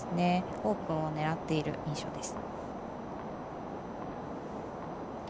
オープンを狙っている印象です。